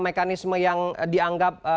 mekanisme yang dianggap